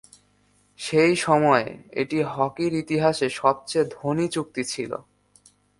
সেই সময়ে, এটি হকির ইতিহাসে সবচেয়ে ধনী চুক্তি ছিল।